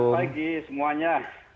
selamat pagi semuanya